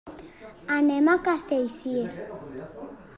Anem a Castellcir.